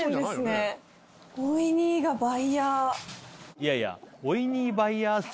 いやいや。